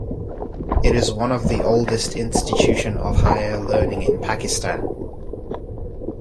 It is one of the oldest institution of higher learning in Pakistan.